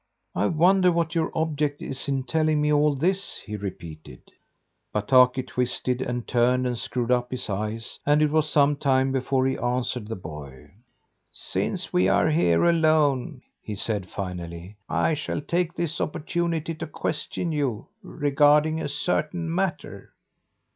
"I wonder what your object is in telling me all this?" he repeated. Bataki twisted and turned and screwed up his eyes, and it was some time before he answered the boy. "Since we are here alone," he said finally, "I shall take this opportunity to question you regarding a certain matter.